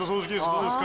どうですか？